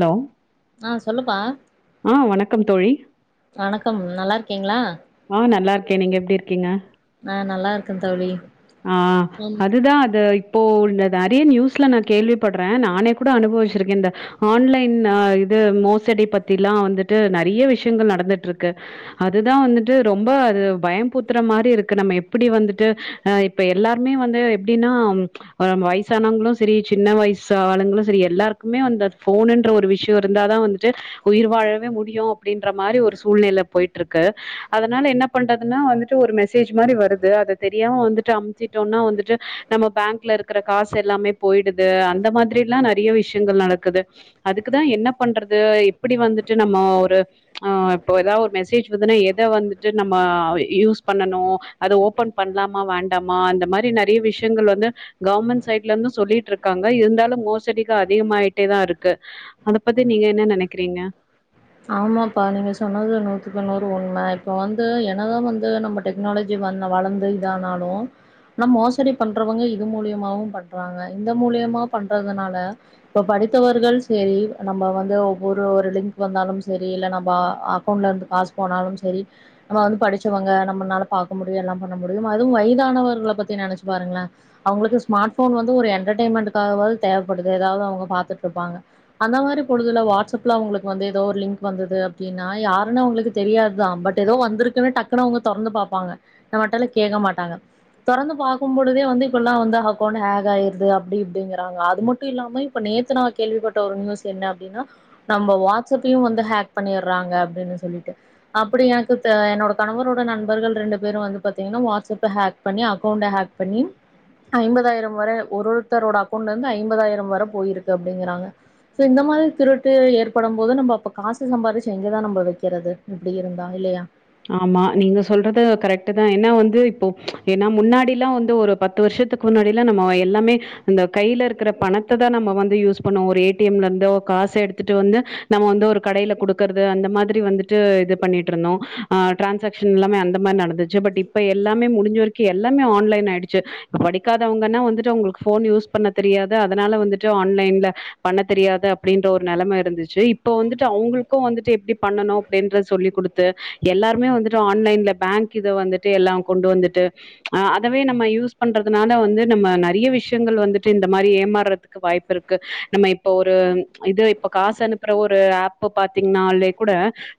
hello ஆ சொல்லுப்பா ஆ வணக்கம் தோழி வணக்கம் நல்லா இருக்கீங்ளா ஆ நல்லா இருக்கே நீங்க எப்டி இருக்கீங்க ஆ நல்லா இருக்கே தோழி ஆ ம் அதுதா அது இப்போ உள்ள நறைய நியூஸ்ல நா கேள்விப்படுறேன் நானே கூட அனுபவிச்சிருக்கே இந்த ஆன்லைன் அ இது மோசடி பத்திலா வந்துட்டு நறைய விஷயங்கள் நடந்துட்டுருக்கு அதுதா வந்துட்டு ரொம்ப அது பயம்பூத்துற மாரி இருக்கு நம்ம எப்டி வந்துட்டு அ இப்ப எல்லாருமே வந்து எப்படின்னா வயசானவங்களும் சேரி சின்ன வயசு ஆளுங்களு செரி எல்லாருக்குமே வந்து போனுன்ற ஒரு விஷயோ இருந்தாாதா வந்துட்டு உயிர் வாழவே முடியு அப்டின்ற மாரி ஒரு சூழ்நில போயிட்டு இருக்கு அதனால என்ன பண்றதுன்னா வந்துட்டு ஒரு மெசேஜ் மாரி வருது அத தெரியாம வந் வந்துட்டு அமுத்திட்டோம்னா வந்துட்டு நம்ம பேங்க்ல இருக்குற காசு எல்லாமே போயிடுது அந்த மாதிரி எல்லா நறைய விஷயங்கள் நடக்குது அதுக்கு தான் என்ன பண்றது எப்புடி வந்துட்டு நம்ம ஒரு இப்ப ஏதா ஒரு மெசேஜ் எத வந்துட்டு நம்ம யூஸ் பண்ணனு அது ஓபன் பண்ணலாமா வேண் டாமா அந்த மாரி நறைய விஷயங்கள் வந்து கவர்ரமெண்ட் சைட்ல இருந்து சொல்லிட்டு இருக்காங்க இருந்தாலு மோசடிக அதிகமாயிட்டே தான் இருக்கு அத பத்தி நீங்க என்ன நனைக்கிறீங்க ஆமாப்பா நீங்க சொன்னது நூத்துக்குநூறு உண்ம இப்ப வந்து என்னதா வந்து நம்ம டெக்னாலஜி வ வளர்ந்து இதானாலு ஆனா மோசடி பண்றவங்க இது மூலியமாவு பண்றாங்க இந்த மூலியமா பண்றதுனால இப்ப படித்தவர்கள் செரி நம்ம வந்து ஒவ்வொரு லிங்க் வந்தாலும் சேரி இல்ல நம்ம அக்கௌண்ட்ல இருந்து காசு போனாலு சேரி நம்ம வந்து படிச்சவங்க நம்மனால பார்க்க முடியு எல்லா பண்ண முடியு அதுவு வயதானவர்கள பத்தி நினைச்சு பாருங்களேன் அவங்களுக்கு ஸ்மார்ட் போன் வந்து ஒரு என்டர்டெயன்மெண்ட்டுகாவது தேவப்படுது ஏதாவது அவுங்க பாத்துட்டு இருப்பாங்க அந்த மாரி பொழுதுல வாட்ஸ்அப் ல உங்குளுக் வந்து எதோ ஒரு லிங்க் வந்தது அப்டின்னா யாருன்னு அவுங்களுக்கு தெரியாதுதா பட் எதோ வந்திருக்குன்னு டக்குனு அவுங்க தொறந்து பாப்பாங்க நம்மட்டல கேக்க மாட்டாங்க தொறந்து பாக்கு பொழுதே வந்து இப்பல்லா வந்து அக்கெளண்ட் ஹேக் ஆயிருது அப்டி இப்டிங்கறாங்க அது மட்டு இல்லாம இப்ப நேத்து நா கேள்விப்பட்ட ஒரு நியூஸ் என்ன அப்டின்னா நம்ப வாட்ஸ் வாட்ஸ்அப்பையு வந்து ஹேக் பண்ணிடுறாங்க அப்டின்னு சொல்லிட்டு அப்டி எனக்கு என்னோட கணவரோட நண்பர்கள் ரெண்டு பேரும் வந்து பாத்தீங்கன்னா வாட்ஸ்அப்ப ஹேக் பண்ணி அக்கவுண்ட் ஹேக் பண்ணி ஐம்பதாயிரம் வரை ஒருத்தரோட அக்கௌண்ட்ல இருந்து ஐம்பதாயிரம் வரை போயிருக்கு அப்டிங்கறாங்க சேரி இந்த மாரி திருட்டு ஏற்படும் போது நம்ம அப்ப காசு சம்பாரிச்சு எங்கேதா நம்ப வைக்கிறது இப்பிடி இருந்தா இல்லியா ஆமா நீங்க சொல்றது கரெக்ட் தா ஏன்னா வந்து இப்போ ஏன்னா முன்னாடில்லா வந்து ஒரு பத்து வருஷத்துக்கு முன்னாடில்லா நம்ம எல்லாமே இந்த கையில இருக்கிற பணத்த தா நம்ம வந்து யூஸ் பண்ணோ ஒரு ஏ டி எம்ல இருந்த காசு எடுத்துட்டு வந்து நம்ம வந்து ஒரு கடையில குடுக்குறது அந்த மாதிரி வந்துட்டு இது பண்ணிட்டு இருந்தோ அ டிரான்சாக்ஷன் எல்லாமே அந்த மாரி நடந்துச்சு பட் இப்ப எல்லாமே முடிஞ்ச வரைக்கு எல்லாமே ஆன்லைன் ஆயிடுச்சு இப்ப படிக்காதவங்கன்னா வந்துட்டு அவங்களுக்கு போன் யூஸ் பண்ண தெரியாது அதனால வந்துட்டு ஆன்லைன்ல பண்ண தெரியாது அப்டின்ற ஒரு நெலம இருந்துச்சு இப்ப வந்துட்டு அவங்களுக்கு வந்துட்டு எப்டி பண்ணணு அப்டின்றது சொல்லி குடுத்து எல்லாருமே வந்துட்டு ஆன்லைன்ல பேங்க் இத வந்துட்டு எல்லா கொண்டு வந்துட்டு அ அதவே நம்ம யூஸ் பண்றதுனால வந்து நம்ம நெறைய விஷயங்கள் வந்துட்டு இந்த மாரி ஏமாறதுக்கு வாய்ப்பு இருக்கு நம்ம இப்ப ஒரு இது காசு அனுப்புற ஒரு ஆப் பாத்தீங்கன்னாலே கூட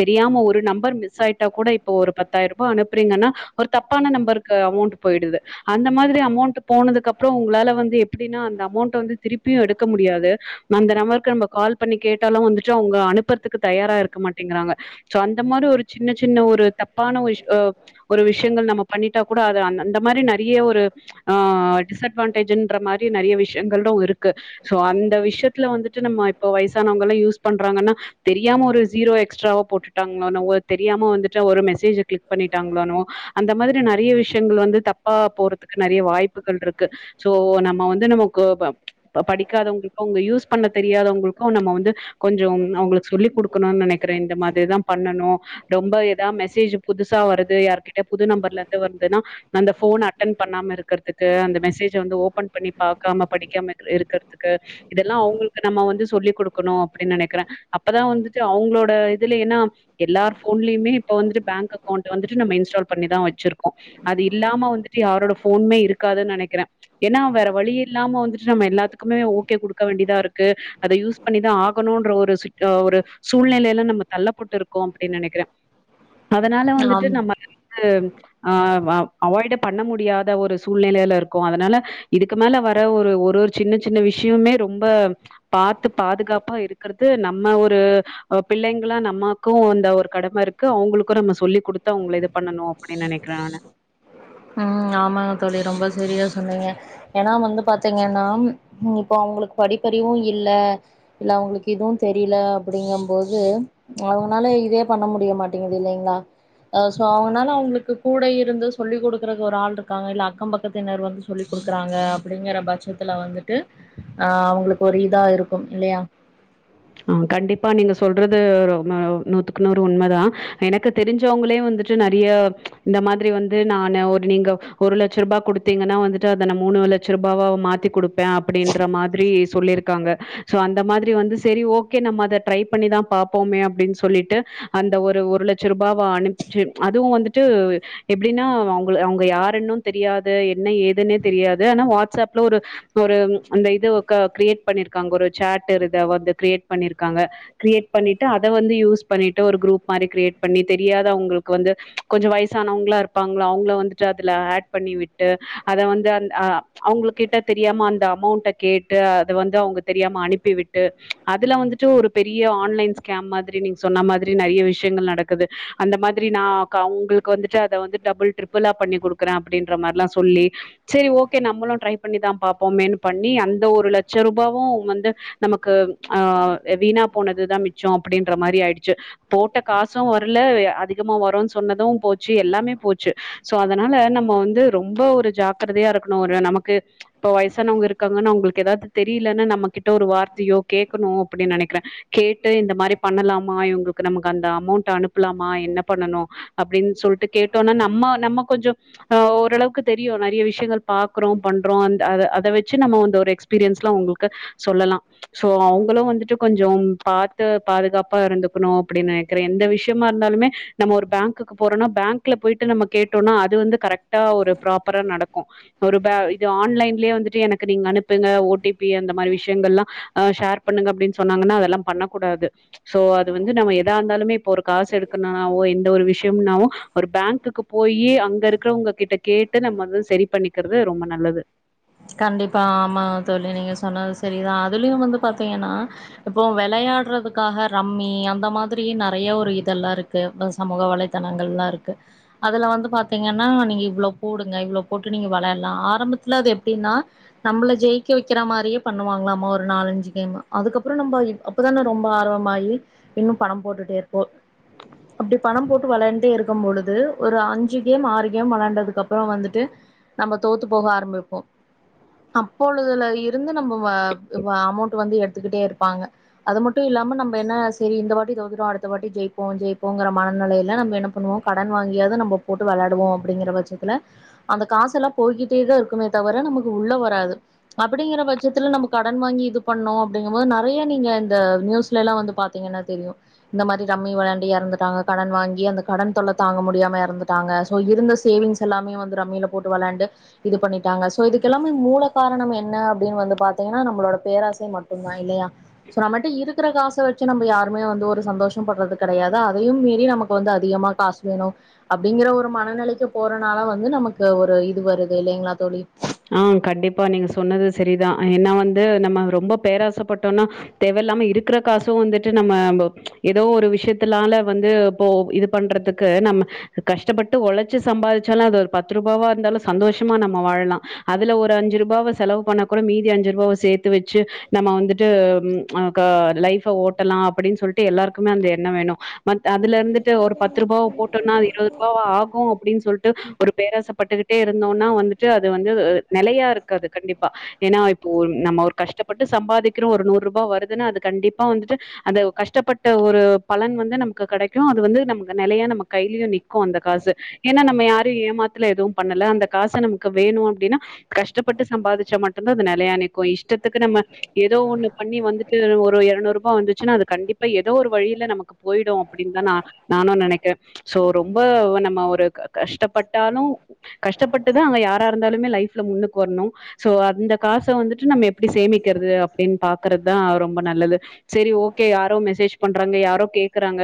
தெரியாம ஒரு நம்பர் மிஸ் ஆயிட்டா கூட இப்ப ஒரு பத்தாயிரம் ரூபாய் அனுப்புறீங்கன்னா ஒரு தப்பான நம்பருக்கு அமௌண்ட் போயிடுது அந்த மாதிரி அமௌண்ட் போனதுக்கு அப்றோ உங்களால வந்து எப்டின்னா அந்த அமௌண்ட வந்து திருப்பியு எடுக்க முடியாது அந்த நம்பருக்கு நம்ப கால் பண்ணி கேட்டாலு வந்துட்டு அவுங்க அனுப்புறதுக்கு தயாரா இருக்க மாட்டேங்கறாங்க சோ அந்த மாரி ஒரு சின்ன சின்ன ஒரு தப்பான ஒரு விஷ ஒரு விஷயங்கள் நம்ம பண்ணிட்டா கூட அது அந்த மாரி நெறைய ஒரு அ டிஸ்அட்வான்டேஜ்ன்ற மாரி நெறைய விஷயங்களு‌ இருக்கு சோ அந்த விஷயத்துல வந்துட்டு நம்ம இப்ப வயசானவங்கல்லா யூஸ் பண்றாங்கன்னா தெரியாம ஒரு ஜீரோ எக்ஸ்ட்ராவா போட்டுட்டாங்கனாவோ தெரியாம வந்து ஒரு மெசேஜ் கிளிக் பண்ணிட்டாங்களானோ அந்த மாரி நெறைய விஷயங்கள் வந்து தப்பா போறதுக்கு நெறைய வாய்ப்புகள் இருக்கு சோ நம்ம வந்து நமக்கு படிக்காதவங்களுக்கு அவங்க யூஸ் பண்ண தெரியாதவங்களுக்கு நம்ம வந்து கொஞ்சோ அவங்குளுக்கு சொல்லி் குடுக்கணுனு நெனைக்கிற இந்த மாரிதா பண்ணணு ரொம்ப எதா மெசேஜ் புதுசா வருது யாருகிட்ட புது நம்பர்ல இருந்து வருதுனா அந்த போன் அட்டென் பண்ணாம இருக்கிறதுக்கு அந்த மெசேஜ வந்து ஓபன் பண்ணி பாக்காம படிக்காம இருக்கிறதுக்கு இதெல்லா அவங்களுக்கு நம்ம வந்து சொல்லிக் குடுக்கணு அப்டின்னு நெனைக்கிற அப்பதா வந்துட்டு அவங்களோட இதுல ஏன்னா எல்லார் போன்லேயுமே இப்ப வந்துட்டு பேங்க் அக்கௌன்ட் வந்துட்டு நம்ம இன்ஸ்டால் பண்ணிதா வெச்சிருக்கோ அது இல்லாம வந்துட்டு யாரோட போனுமே இருக்கான்னு நெனைக்கிற ஏன்னா வேற வழி இல்லாம வந்துட்டு நம்ம எல்லாத்துக்குமே ஓகே குடுக்க வேண்டியதா இருக்கு அத யூஸ் பண்ணிதா ஆகணும்ன்ற ஒரு சிட் ஒரு சூழ்நிலையில்லா நம்ம தள்ளப்பட்டிருக்கோ அப்டினு நெனைக்கிற அதனால வந்துட்டு ஆம் நம்ம வந்து ஆ அவாய்ட பண்ண முடியாத ஒரு சூழ்நிலையில இருக்கோ அதனால இதுக்கு மேல வர ஒரு ஒரு ஒரு சின்ன சின்ன விஷயமுமே ரொம்ப பாத்து பாதுகாப்பா இருக்கறது நம்ம ஒரு பிள்ளைங்களா நமக்கு இதா ஒரு கடம இருக்கு அவங்களுக்கு நம்ம சொல்லி குடுத்து அவுங்கள இது பண்ணணு அப்படின்னு நனைக்கிறேன் நானு உம் ஆமாங்க தோழி ரொம்ப செரியா சொன்னீங்க ஏன்னா வந்து பாத்தீங்கன்னா இப்ப அவங்களுக்கு படிப்பறிவு இல்ல இல்ல அவங்களுக்கு எதுவும் தெரியல அப்படிங்க போது அவுங்கனால இதே பண்ண முடிய மாட்டிங்குது இல்லைங்களா ஹ் சோ அவங்கனால அவங்களுக்கு கூட இருந்து சொல்லி குடுக் கேக்க ஒரு ஆள் இருக்காங்க இல்ல அக்கம் பக்கத்தினர் வந்து சொல்லி் குடுக்குறாங்க அப்படிங்கிற பட்சத்துல வந்துட்டு ஆ அவங்களுக்கு ஒரு இதா இருக்கு இல்லையா ஆ கண்டிப்பா நீங்க சொல்றது ரொம்ப நூத்துக்குநூறு உண்மை தான் எனக்கு தெரிஞ்சவங்களே வந்துட்டு நெறைய இந்த மாதிரி வந்து நானு ஒரு நீங்க ஒரு லட்சம் ரூபாய் குடுத்தீங்கன்னா வந்துட்டு அத நாளைக்கு மூணு லட்ச ரூபாவா மாத்தி குடு அப்புடின்ற மாதிரி சொல்லியிருக்காங்க சோ அந்த மாதிரி வந்து சேரி ஓகே நம்ம அதை ட்ரை பண்ணிதான் பாப்போமே அப்படின்னு சொல்லிட்டு அந்த ஒரு ஒரு லட்சம் ரூபாவ அனுப்புச்சு அதுவும் வந்துட்டு எப்படின்னா அவங்க அவங்க யாருனு தெரியாது என்ன ஏதுன்னே தெரியாது ஆனா வாட்ஸ்அப்ல ஒரு ஒரு அந்த இதுக்க கிரியேட் பண்ணியிருக்காங்க ஒரு சாட்டு இருக்கு வந்த கிரியேட் பண்ணி இருக்காங்க கிரியேட் பண்ணிட்டு அத வந்து யூஸ் பண்ணிட்டு ஒரு குரூப் மாரி கிரியேட் பண்ணி தெரியாத அவங்களுக்கு வந்து கொஞ்சோ வயசானவங்களா இருப்பாங்களா அவங்கள வந்துட்டு அதுல ஆட் பண்ணி விட்டு அத வந்து அ அவுங்குள் கிட்ட தெரியாம அந்த அமௌண்ட கேட்டு அத வந்து அவங்க தெரியாம அனுப்பி விட்டு அதுல வந்துட்டு ஒரு பெரிய ஆன்லைன் ஸ்கேம் மாதிரி நீங்க சொன்ன மாதிரி நிறைய விஷயங்கள் நடக்குது அந்த மாதிரி நான் அவங்களுக்கு வந்துட்டு அத வந்து டபுள் ட்ரிபிளா பண்ணி குடுக்குறேன் அப்படின்ற மாதிரல்லா சொல்லி சேரி ஓகே நம்மளும் ட்ரை பண்ணிதான் பார்ப்போமேன் பண்ணி அந்த ஒரு லட்சம் ரூபாவு வந்து நமக்கு ஆ வீணா போனதுதான் மிச்சோ அப்படின்ற மாரி ஆயிடுச்சு போட்ட காசும் வரல அதிகமா வரும்னு சொன்னது போச்சு எல்லாமே போச்சு சோ அதனால நம்ம வந்து ரொம்ப ஒரு ஜாக்கிரதையா இருக்கணு ஒரு நமக்கு இப்ப வயசானவங்க இருக்காங்கன்னா அவங்களுக்கு ஏதாவது தெரியலன்னு நம்ம கிட்ட ஒரு வார்த்தையோ கேக்கணு அப்படின்‌ நினைக்கிறேன் கேட்டு இந்த மாரி பண்ணலாமா இவங்களுக்கு நமக்கு அந்த அமௌண்ட் அனுப்பலாமா என்ன பண்ணணு அப்படின்னு சொல்ட்டு கேட்டோனா நம்ம நம்ம கொஞ்சோ அ ஓரளவுக்கு தெரியு நிறைய விஷயங்கள் பாக்குறோம் பண்றோ அந்த அத அத வச்சு நம்ம வந்த ஒரு எக்ஸ்பீரியன்ஸ்ல உங்களுக்கு சொல்லலா சோ அவங்களும் வந்துட்டு கொஞ்சோ பாத் து பாதுகாப்பா இருந்துக்கணு அப்படி நெனைக்கிறன் எந்த விஷய மா இருந்தாலுமே நம்ம ஒரு பேங்க்குக்கு போறோனா பேங்க்ல போயிட்டு நம்ம கேட்டோனா அது வந்து கரெக்ட் தா ஒரு ப்ராப்பரா நட ஒரு ப இது ஆன்லைன்லயே வந்துட்டு எனக்கு நீங்க அனுப்புங்க ஓடிபி அந்த மாதிரி விஷயங்கெல்லாம் அ ஷேர் பண்ணுங்க அப்டின்னு சொன்னாங்கன்னா அதெல்லாம் பண்ணக்கூடாது சோ அது வந்து நம்ம எதா இருந்தாலுமே இப்போ ஒரு காசு எடுக்கணும்னாவோ எந்த ஒரு விஷயம்னாவோ ஒரு பேங்குக்கு போயி அங்க இருக்கிறவங்க கிட்ட கேட்டு நம்ம சரி பண்ணிக்கிறது ரொம்ப நல்லது கண்டிப்பா ஆமா தோழி நீங்க சொன்னது சரிதான் அதுலயும் வந்து பாத்தீங்கன்னா இப்போ விளையாடுறதுக்காக ரம்மி அந்த மாதிரி நிறைய ஒரு இதெல்லாம் இருக்கு சமூக வலைத்தளங்கள்லாம் இருக்கு அதுல வந்து பாத்தீங்கன்னா நீங்க இவ்வளோ போடுங்க இவ்வளவு போட்டு நீங்க விளையாடலாம் ஆரம்பத்துல அது எப்டின்னா நம்பள ஜெயிக்க வைக்கிற மாரியே பண்ணுவாங்களாமா ஒரு நாலஞ்சு கேம் அதுக்கப்புறம் நம்ப அப்பதானே ரொம்ப ஆர்வமாகி இன்னும் பணம் போட்டுட்டே இருப்போம் அப்டி பணம் போட்டு விளையாண்டே இருக்கும் பொழுது ஒரு அஞ்சு கேம் ஆறு கேம் விளையாண்டதுக்கு அப்புறம் வந்துட்டு நம்ம தோத்து போக ஆரம்பிப்போம் அப்பொழுதுல இருந்து நம்ப அமௌண்ட் வந்து எடுத்துக்கிட்டே இருப்பாங்க அது மட்டும் இல்லாம நம்ப என்ன சரி இந்த வாட்டி தோத்துட்டோம் சரி அடுத்த வாட்டி ஜெயிப்போம் ஜெயிப்போங்கிற மனநிலையில நம்ம என்ன பண்ணுவோம் கடன் வாங்கியாவது நம்ப போட்டு விளையாடுவோம் அப்படிங்கிற பட்சத்துல அந்த காச எல்லாம் போய்கிட்டே தான் இருக்குமே தவர நமக்கு உள்ள வராது அப்படிங்கற பட்சத்துல நம்ப கடன் வாங்கி இது பண்ணோம் அப்டிங்கும் போது நிறைய நீங்க இந்த ந்யூஸ்லெல்லா வந்து பாத்திங்கனா தெரியும் இந்த மாரி ரம்மி விளையாண்டு இறந்துட்டாங்க கடன் வாங்கி அந்த கடன் தொல்ல தாங்க முடியாம இறந்துட்டாங்க சோ இருந்த சேவிங்ஷ் எல்லாமே ரம்மியில போட்டு விளையாண்டு இது பண் ட்டாங்க ஸோ இதுக்கெல்லாமே மூல காரணம் என்ன அப்படின்னு வந்து பாத்தீங்கன்னா நம்மளோட பேராசை மட்டும தான் இல்லையா சோ நம்மட்ட இருக்குற காஸ் ச வெச்சு நம்ம யாருமே வந்து ஒரு சந்தோஷம் படுறது கடையது அதையு மீறி நமக்கு வந்து அதிகமா காசு வேணு அப்டிங்கற ஒரு மனநெலைக்கு போறனால வந்து நமக்கு ஒரு இது வருது இல்லைங்ளா தோழி ம் கண்டிப்பா நீங்க சொன்னது சரிதான் என்ன வந்து நம்ம ரொம்ப பேராசைப்பட்டோனா தேவையில்லாம இருக்கற காசு வந்துட்டு நம்ம ஏதோ ஒரு விஷயத்துலால வந்து இப்போ இது பண்றதுக்கு நம்ம கஷ்டப்பட்டு உழைச்சு சம்பாதிச்சாலு அது ஒரு பத்து ரூபாவா இருந்தாலு சந்தோஷமா நம்ம வாழலா அதுல ஒரு அஞ்சு ரூபாவ செலவு பண்ண கூட மீதி அஞ்சு ரூபாவ சேத்து வச்சு நம்ம வந்துட்டு க லைஃப ஓட்டலாம் அப்டின்னு சொல்லிட்டு எல்லாருக்குமே அந்த எண்ண வேணு அத அதுல இருந்துட்டு ஒரு பத்து ரூபாவ போட்டோம்னா அது இருபது ரூபாவா ஆகும் அப்டின்னு சொல்ட்டு ஒரு பேராசப்பட்டுக்கிட்டே இருந்தோனா வந்துட்டு வந்து நெலையா இருக்காது கண்டிப்பா ஏன்னா இப்போ நம்ம ஒரு கஷ்டப்பட்டு சம்பாதிக்கிறோ ஒரு நூறு ரூபாய் வருதுன்னா அது கண்டிப்பா வந்துட்டு அந்த கஷ்டப்பட்ட ஒரு பலன் வந்து நமக்கு கிடைக்கு அது வந்து நம் நிலையா நம்ம கையிலயு நிக்கு அந்த காசு ஏன்னா நம்ம யாரு ஏமாத்துல எதுவுபண்ணல அந்த காச நமக்கு வேணு அப்டினா கஷ்டப்பட்டு சம்பாதிச்சா மட்டும்தா அது நெலையா நிக்கும் இஷ்டத்துக்கு நம்ம ஏதோ ஒன்னு பண்ணி வந்துட்டு ஒரு இருநூறு ரூபாய் வந்துச்சுன்னா அது கண்டிப்பா ஏதோ ஒரு வழியில நமக்கு போயிடு அப்டின்தா நானு நெனைக்க சோ ரொம்ப நம்ம ஒரு க க கஷ்டப்பட்டாலும் கஷ்டப்பட்டுதா அங்க யார இருந்தாலுமே லைஃப்ல முன்னுக்கு வரணு சோ அந்த காசை வந்துட்டு நம்ம எப்டி சேமிக்கிறது அப்டின்னு பாக்குறதுதான் ரொம்ப நல்லது சரி ஓகே யாரோ மெசேஜ் பண்றாங்க யாரோ கேக்குறாங்க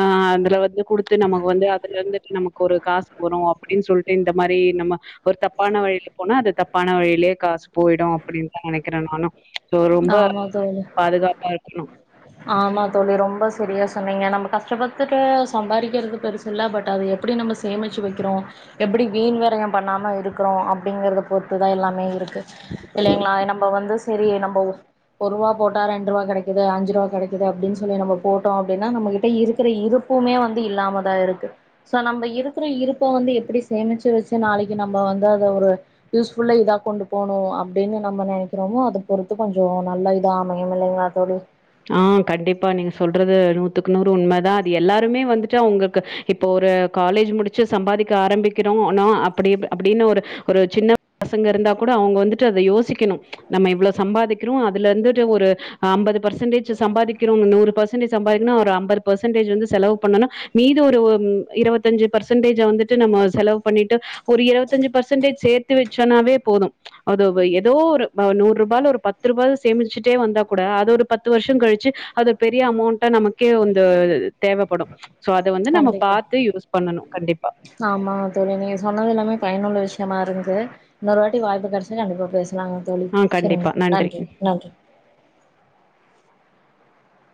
ஆ அதுல வந்து குடுத்து நமக்கு வந்து அதுல இருந்து நமக்கு ஒரு காசு வரு அப்டின்னு சொல்ட்டு இந்த மாரி நம்ம ஒரு தப்பான வழியில போனா அது தப்பான வழியிலேயே காசு போயிடு அப்டின்னுதா நெனைக்கிறே நானு சோ ரொம்ப ஆமா தோழி பாதுகாப்பா இர் கனு ஆமா தோழி ரொம்ப சரியா சொன்னீங்க நம்ம கஷ்டப்பட்டுட்டு சம்பாறிக்கிறது பெருசில்ல பட் அது எப்டி நம்ம சேமிச்சு வெக்கிறோ எப்டி வீண் வரையம் பண்ணாம இருக்குறோ அப்டிங்கிறது பொறுத்துதா எல்லாமே இருக்கு இல்லைங்களா நம்ப வந்து சரி நம்ப ஒரூவா போட்டா ரெண்டு ரூவா கெடைக்கிது அஞ்சு ரூவா கெடைக்குது அப்டின் சொல்லி நம்ம போட்டோ அப்டின்னா நம்மகிட்ட இருக்குற இருப்புமே வந்து இல்லாமதா இருக்கு சோ நம்ப இருக்குற இருப்ப வந்து எப்டி சேமிச்சு வெச்சு நாளைக்கு நம்ம வந்து அத ஒரு யூஸ்ஃபுல்லா இதா கொண்டு போணு அப்டின்னு நம்ம நெனைக்கிறமோ அத பொறுத்து கொஞ்சோ நல்ல இதா அமையுமில்லைங்களா தோழி ம் கண்டிப்பா நீங்க சொல்றது நூத்துக்கு நூறு உண்மதா அது எல்லாருமே வந்துட்டு அவுங்களுக்கு இப்போ ஒரு காலேஜ் முடிச்சு சம்பாதிக்க ஆரம்பிக்கிறோ னோ அப்டி ப அப்டின்னு ஒரு ஒரு சின்ன பசங்க இருந்தா கூட அவுங்க வந்துட்டு அத யோசிக்கணு நம்ம இவ்ளோ சம்பாதிக்கிறோ அதுல இருந்துட்டு ஒரு அம்பது பர்சன்டேஜ் சம்பாதிக்கிறோ நூறு பர்சன்டேஜ் சம்பார்ன ஒரு அம்பது பர்சன்டேஜ் வந்து செலவு பண்ணனு மீத ஒரு ம் இரவத்தஞ்சு பர்சன்டேஜ் வந்துட்டு நம்ம செலவு பண்ணிட்டு ஒரு இருவத்தஞ்சு பர்சன்டேஜ் சேத்து வெச்சனாவே போது அத வ எதோ ஒரு ப நூ ருபால ஒரு பத்து ருபா சேமிச்சுட்டே வந்தா கூட அதொரு பத்து வர்ஷங் கழிச்சு அது பெரிய அமௌண்டா நமக்கே வந்து தேவப்படு சோ அத வந்து நம்ம கண்டிப்பா பாத்து யூஸ் பண்ணணு கண்டிப்பா ஆமாங்க தோழி நீங்க சொன்னது எல்லாமே பயனுள்ள விஷ் யமா இருகுது இன்னொரு வாட்டி வாய்ப்பு கெடச்சா கண்டிப்பா பேஸ் லாங்க தோழி ஆ செரிங்க கண்டிப்பா நன்றி நன்றி